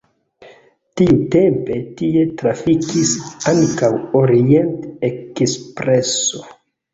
Tiutempe tie trafikis ankaŭ Orient-ekspreso.